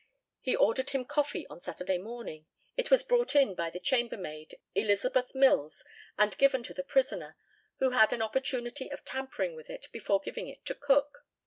He ordered him coffee on Saturday morning. It was brought in by the chambermaid, Elizabeth Mills, and given to the prisoner, who had an opportunity of tampering with it before giving it to Cook.